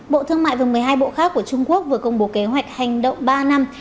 bộ thương mại và một mươi hai bộ khác của trung quốc vừa công bố kế hoạch hành động ba năm